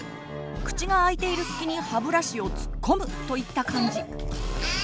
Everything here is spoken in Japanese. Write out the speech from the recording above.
口が開いている隙に歯ブラシを突っ込むといった感じ。